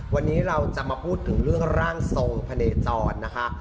วันนี้เราจะมาพูดถึงเรื่องร่างทรงพะเนจรนะคะ